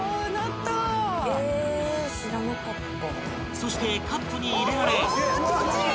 ［そしてカップに入れられ］